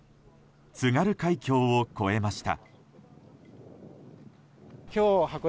津軽海峡を越えました。